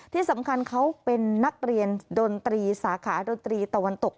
ที่สำคัญเขาเป็นนักเรียนดนตรีสาขาดนตรีตะวันตก